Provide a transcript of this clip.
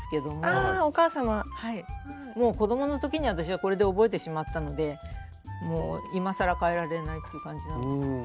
もう子供の時に私はこれで覚えてしまったのでもう今更変えられないっていう感じなんです。